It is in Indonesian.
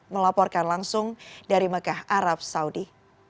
melaporkan langsung dari mekah arab saudi